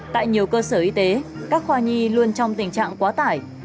tại nhiều cơ sở y tế các khoa nhi luôn trong tình trạng quá tải